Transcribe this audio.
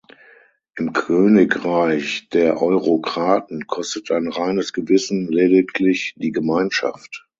Im Königreich der Eurokraten kostet ein reines Gewissen lediglich die Gemeinschaft.